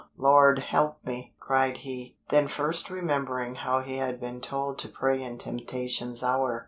Lord, help me!" cried he, then first remembering how he had been told to pray in temptation's hour.